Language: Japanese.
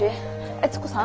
悦子さん？